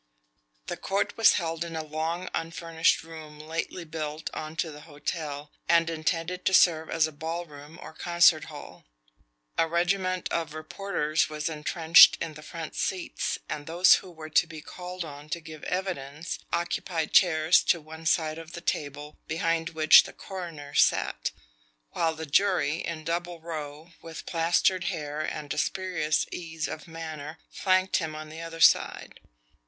The court was held in a long unfurnished room lately built onto the hotel, and intended to serve as a ball room or concert hall. A regiment of reporters was entrenched in the front seats, and those who were to be called on to give evidence occupied chairs to one side of the table behind which the coroner sat, while the jury, in double row, with plastered hair and a spurious ease of manner, flanked him on the other side.